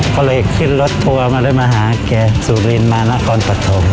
ก็เลยขึ้นรถทัวร์มาเลยมาหาแกสุรินมานครปฐม